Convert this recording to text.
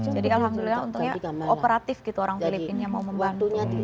jadi alhamdulillah untuknya operatif gitu orang filipina yang mau membantu